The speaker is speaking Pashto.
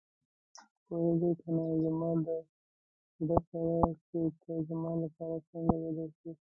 پوهېږې کنه زما د زړه سره چې ته زما لپاره څنګه بدل شوې.